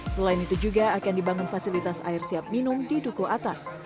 selain itu juga akan dibangun fasilitas air siap minum di duku atas